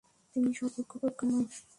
তিনি সর্বজ্ঞ, প্রজ্ঞাময়।